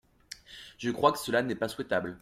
Je crois que cela n’est pas souhaitable.